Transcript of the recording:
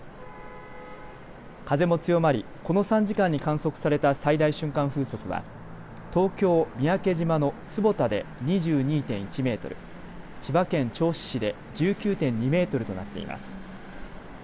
風も強まり、この３時間に観測された最大瞬間風速は東京三宅島の坪田で２２．１メートル、千葉県銚子市で１９．２メートルとなっています。